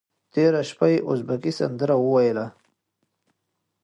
تېره شپه یې ازبکي سندره وویله.